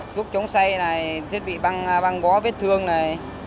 xúc chống xay này thiết bị băng bó vết thương này